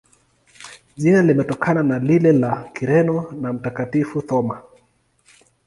Jina limetokana na lile la Kireno la Mtakatifu Thoma.